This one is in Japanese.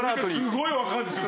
すごいわかるんです。